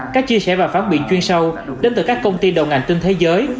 các chia sẻ và phán biện chuyên sâu đến từ các công ty đầu ngành trên thế giới